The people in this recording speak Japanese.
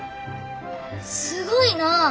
すごいな。